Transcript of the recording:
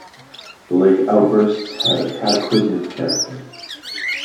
The lake outbursts had a cataclysmic character.